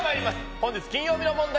本日金曜日の問題